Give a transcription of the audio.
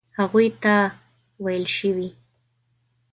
هغوی ته ویل شوي.